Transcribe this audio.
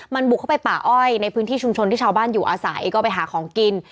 มันบุกเข้าไปป่าอ้อยในพื้นที่ชุมชนที่ชาวบ้านอยู่อาศัยก็ไปหาของกิน